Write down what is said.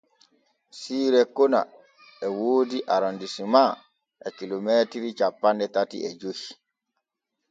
Siire kona e woodi Arondisema e kilomeetiri cappanɗe tati e joy.